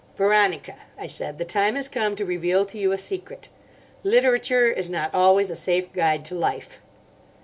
"Veronica," I said, "the time has come to reveal to you a secret: literature is not always a safe guide to life."